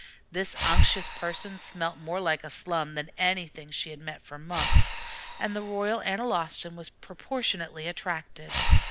This unctuous person smelt more like a slum than anything she had met for months, and the Royal Analostan was proportionately attracted.